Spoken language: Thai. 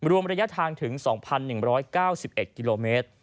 รวมระยะทางถึง๒๑๙๑กิโลเมตร